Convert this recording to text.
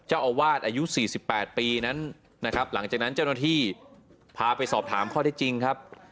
เจ้าอาวาสอายุ๔๘ปีนั้นนะครับหลังจากนั้นเจ้าหน้าที่พาไปสอบถามข้อได้จริงครับ